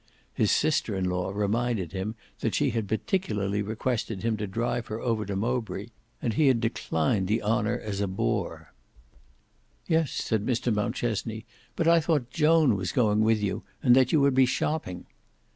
His sister in law reminded him that she had particularly requested him to drive her over to Mowbray, and he had declined the honour as a bore. "Yes," said Mr Mountchesney, "but I thought Joan was going with you, and that you would be shopping."